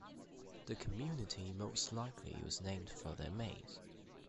The community most likely was named for their maize.